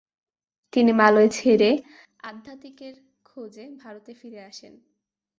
তিনি মালয় ছেড়ে, আধ্যাত্মিকের খোঁজে ভারতে ফিরে আসেন।